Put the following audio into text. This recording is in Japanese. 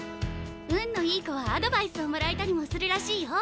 運のいい子はアドバイスをもらえたりもするらしいよ。